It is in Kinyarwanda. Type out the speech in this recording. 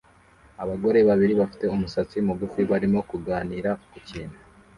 Abagore babiri bafite umusatsi mugufi barimo kuganira ku kintu